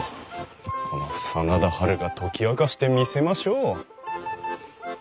この真田ハルが解き明かしてみせましょう。